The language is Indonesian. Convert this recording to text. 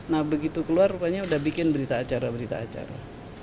nah begitu keluar rupanya udah bikin berita acara berita acara